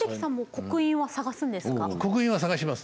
刻印は探します。